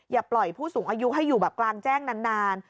อย่าปล่อยผู้สูงอายุให้อยู่แบบกลางแจ้งนาน